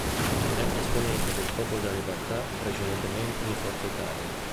È esponente de Il Popolo della Libertà, precedentemente di Forza Italia.